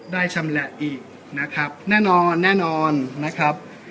ชำแหละอีกนะครับแน่นอนแน่นอนนะครับ